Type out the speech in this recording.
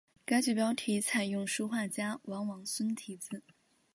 该剧标题采用书画家王王孙题字。